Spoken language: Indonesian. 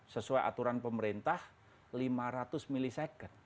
sesuai aturan pemerintah lima ratus milisekund